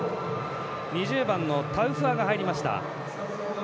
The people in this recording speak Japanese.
２０番のタウフアが入りました。